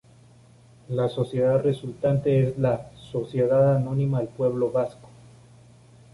La sociedad resultante es la "Sociedad Anónima El Pueblo Vasco".